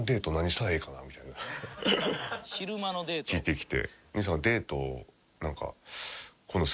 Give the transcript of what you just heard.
聞いてきて。